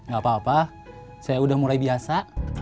gak apa apa saya udah mulai biasa